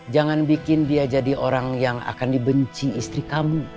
jangan bikin dia jadi orang yang akan dibenci istri kamu